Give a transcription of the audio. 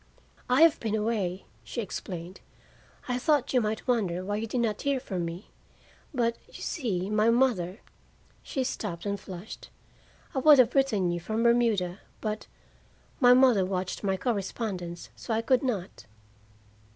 "I have been away," she explained. "I thought you might wonder why you did not hear from me. But, you see, my mother " she stopped and flushed. "I would have written you from Bermuda, but my mother watched my correspondence, so I could not."